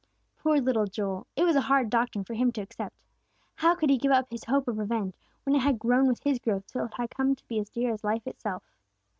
Poor little Joel, it was a hard doctrine for him to accept! How could he give up his hope of revenge, when it had grown with his growth till it had come to be as dear as life itself?